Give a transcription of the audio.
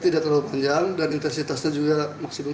tidak terlalu panjang dan intensitasnya juga maksimum